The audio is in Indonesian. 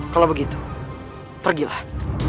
kalau begitu pergilah